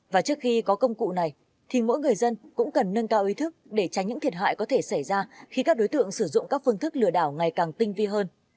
và trước khi có công cụ này thì mỗi người dân cũng cần nâng cao ý thức để tránh những thiệt hại có thể xảy ra khi các đối tượng sử dụng các phương thức lừa đảo ngày càng tinh vi hơn